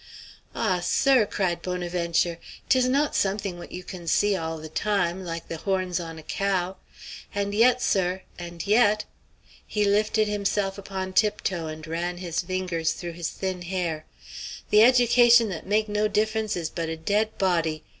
"Ah, sir!" cried Bonaventure, "'tis not something what you can see all the time, like the horns on a cow! And yet, sir, and yet!" he lifted himself upon tiptoe and ran his fingers through his thin hair "the education that make' no difference is but a dead body!